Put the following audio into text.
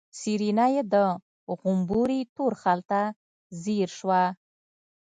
سېرېنا يې د غومبري تور خال ته ځير شوه.